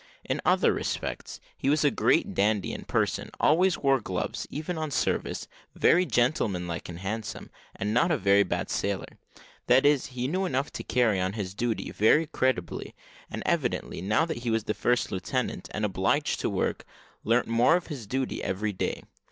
In other respects he was a great dandy in his person, always wore gloves, even on service, very gentlemanlike and handsome, and not a very bad sailor; that is, he knew enough to carry on his duty very creditably, and evidently, now that he was the first lieutenant, and obliged to work, learnt more of his duty every day.